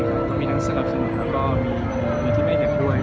ก็มีทั้งสำหรับทุกคนและก็มีที่ไม่เห็นด้วย